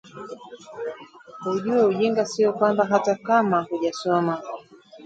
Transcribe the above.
Ujue ujinga sio kwamba hata kama hujasoma